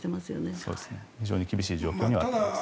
非常に厳しい状況です。